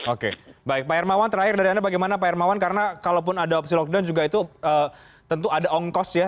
oke baik pak hermawan terakhir dari anda bagaimana pak hermawan karena kalaupun ada opsi lockdown juga itu tentu ada ongkos ya